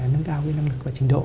nâng cao năng lực và trình độ